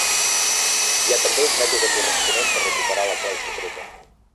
Hi ha també un mètode corresponent per recuperar la clau secreta.